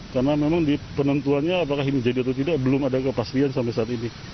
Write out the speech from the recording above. karena memang di penentuannya apakah ini jadi atau tidak belum ada kepastian sampai saat ini